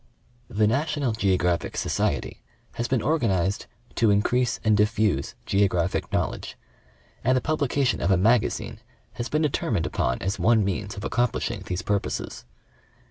The "National Geographic Society" has been organized " to increase and diffuse geographic knowledge," and the publi cation of a Magazine has been determined upon as one means of accomplishing these purposes.